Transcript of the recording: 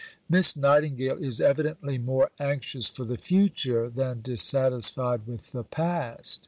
Miss Nightingale is evidently more anxious for the future than dissatisfied with the past.